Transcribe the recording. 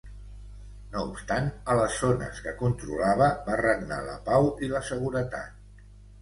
No obstant a les zones que controlava va regnar la pau i la seguretat.